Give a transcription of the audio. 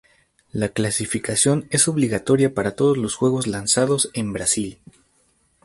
La calificación es obligatoria para todos los juegos lanzados en Brasil.